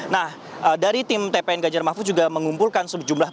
nah dari tim tpn ganjar mahfud juga mengumpulkan sejumlah